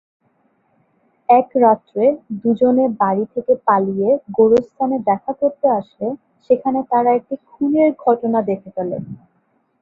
এক রাত্রে দু'জনে বাড়ি থেকে পালিয়ে গোরস্থানে দেখা করতে আসলে সেখানে তারা একটি খুনের ঘটনা দেখে ফেলে।